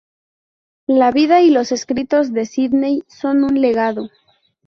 La vida y los escritos de Sidney son un legado.